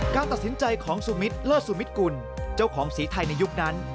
การตัดสินใจของสุมิตรเลิศสุมิตกุลเจ้าของสีไทยในยุคนั้น